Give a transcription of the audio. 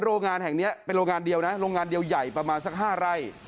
โรงงานแห่งนี้เป็นโรงงานเดียวนะโรงงานเดียวใหญ่ประมาณสัก๕ไร่